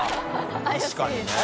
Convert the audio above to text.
△確かにね。